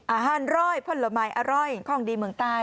อร่อยผลไม้อร่อยของดีเมืองใต้